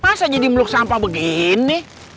masa jadi meluk sampah begini